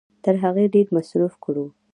تر هغې ډېر مصرف کړو